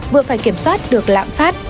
vừa phải kiểm soát được lạng phát